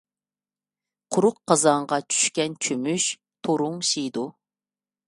قۇرۇق قازانغا چۈشكەن چۆمۈچ تورۇڭشىيدۇ.